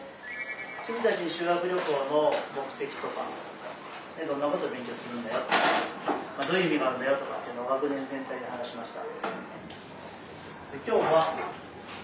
君たち修学旅行の目的とかどんなこと勉強するんだよとかどういう意味があるんだよとか学年全体で話しました。